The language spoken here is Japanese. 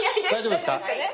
大丈夫ですか。